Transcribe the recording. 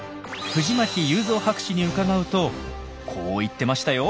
藤巻裕蔵博士に伺うとこう言ってましたよ。